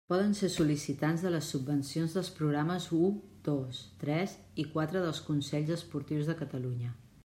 Poden ser sol·licitants de les subvencions dels programes u, dos, tres i quatre els consells esportius de Catalunya.